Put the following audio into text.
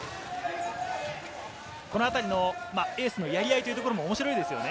このあたりのエースのやり合いというところも面白いですよね。